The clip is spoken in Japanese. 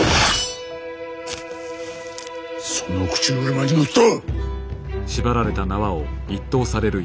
その口車に乗った！